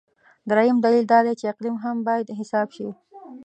درېیم دلیل دا دی چې اقلیم هم باید حساب شي.